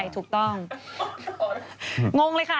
ถูกต้อง